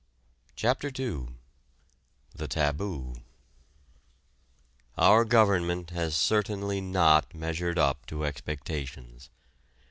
CHAPTER II THE TABOO Our government has certainly not measured up to expectations.